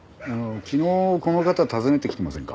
昨日この方訪ねてきてませんか？